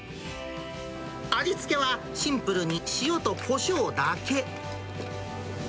味付けはシンプルに塩とこしょうだけ。